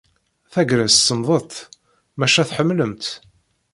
Tagrest semmḍet, maca tḥemmlem-tt.